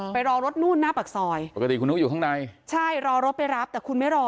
ไปรอรถนู่นหน้าปากซอยปกติคุณต้องอยู่ข้างในใช่รอรถไปรับแต่คุณไม่รอ